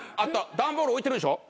段ボール置いてるでしょ？